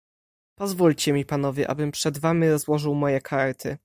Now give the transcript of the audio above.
"Pozwólcie mi panowie, abym przed wami rozłożył moje karty."